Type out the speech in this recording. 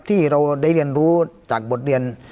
ที่เราได้เรียนรู้จากบทเรียน